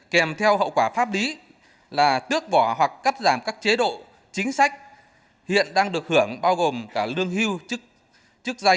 kèm theo hậu quả pháp lý là tước vỏ hoặc cắt giảm các chế độ chính sách hiện đang được hưởng bao gồm cả lương hưu